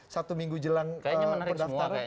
satu minggu jelang pendaftaran